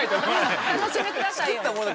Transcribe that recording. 楽しんでくださいよ。